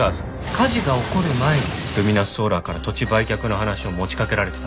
火事が起こる前にルミナスソーラーから土地売却の話を持ちかけられてたんだ。